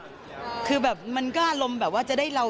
คือแบบมันก็อารมณ์แบบว่าจะได้เรา